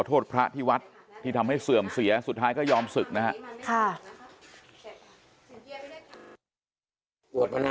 โทษพระที่วัดที่ทำให้เสื่อมเสียสุดท้ายก็ยอมศึกนะครับ